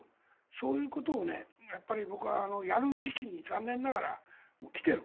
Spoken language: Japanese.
そういうことを僕は、やる時期に残念ながらもう来ている。